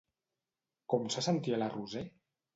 Com se sentia la Roser?